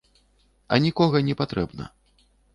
А нікога не патрэбна.